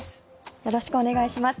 よろしくお願いします。